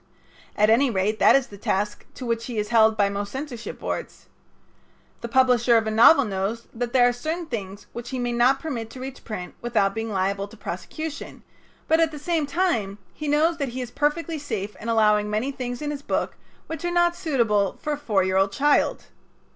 At any rate, that is the task to which he is held by most censorship boards. The publisher of a novel knows that there are certain things which he may not permit to reach print without being liable to prosecution, but at the same time he knows that he is perfectly safe in allowing many things in his book which are not suitable for a four year old child.